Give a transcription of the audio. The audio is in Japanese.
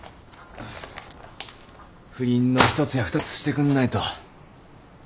不倫の一つや二つしてくんないと。